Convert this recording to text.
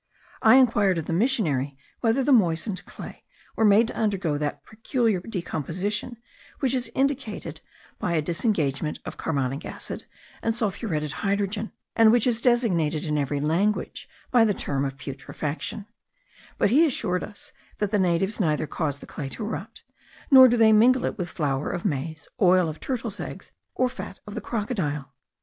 I inquired of the missionary whether the moistened clay were made to undergo that peculiar decomposition which is indicated by a disengagement of carbonic acid and sulphuretted hydrogen, and which is designated in every language by the term of putrefaction; but he assured us that the natives neither cause the clay to rot, nor do they mingle it with flour of maize, oil of turtle's eggs, or fat of the crocodile.